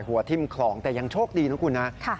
ทิ้มคลองแต่ยังโชคดีนะคุณนะ